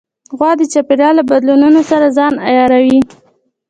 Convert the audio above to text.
غوا د چاپېریال له بدلونونو سره ځان عیاروي.